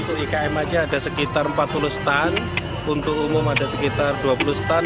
untuk ikm saja ada sekitar empat puluh stand untuk umum ada sekitar dua puluh stand